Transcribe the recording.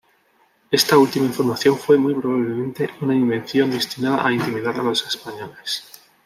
Esta última información fue muy probablemente una invención destinada a intimidar a los españoles.